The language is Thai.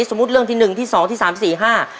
สมมุติเรื่องที่๑ที่๒ที่๓ที่๔ที่๕